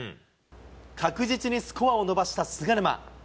確実にスコアを伸ばした菅沼。